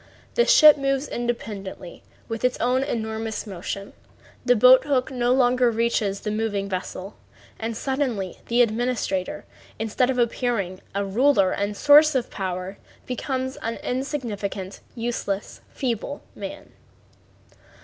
The ship moves independently with its own enormous motion, the boat hook no longer reaches the moving vessel, and suddenly the administrator, instead of appearing a ruler and a source of power, becomes an insignificant, useless, feeble man.